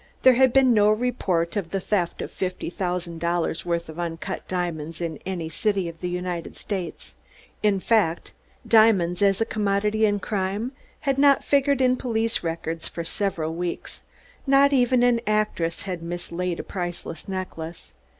There had been no report of the theft of fifty thousand dollars' worth of uncut diamonds in any city of the United States; in fact, diamonds, as a commodity in crime, had not figured in police records for several weeks not even an actress had mislaid a priceless necklace.